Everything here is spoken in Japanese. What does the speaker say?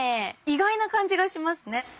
意外な感じがしますね。